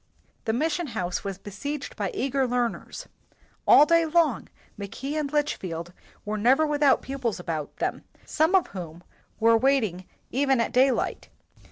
The mission house was be seiged by eager learners. All day long Mackay and Litchfield were never without pupils about them, some of whom were wait ing even at daylight.